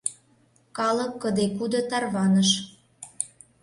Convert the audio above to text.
Калык кыде-кудо тарваныш...